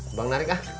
udah nganing kah